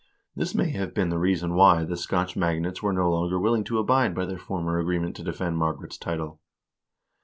This may have been the reason why the Scotch magnates were no longer will ing to abide by their former agreement to defend Margaret's title.